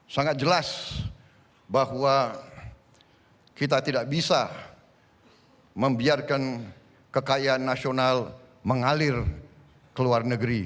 sangat jelas bahwa kita tidak bisa membiarkan kekayaan nasional mengalir keluar negara